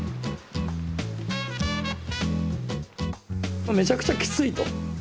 まあめちゃくちゃきついと。